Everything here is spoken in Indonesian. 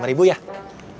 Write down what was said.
pamit dulu ya selamat malam